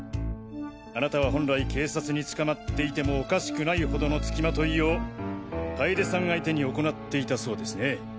あなたは本来警察に捕まっていてもおかしくない程の付きまといを楓さん相手に行っていたそうですね。